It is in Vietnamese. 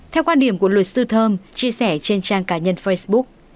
theo quan điểm của luật sư thơm chia sẻ trên trang cá nhân facebook